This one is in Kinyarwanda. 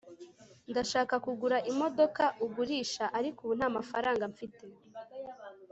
Ndashaka kugura imodoka ugurisha ariko ubu ntamafaranga mfite